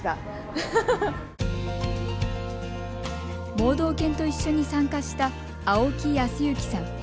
盲導犬と一緒に参加した青木保潔さん。